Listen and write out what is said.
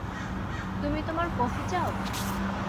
তুমি তোমার কফি চাও?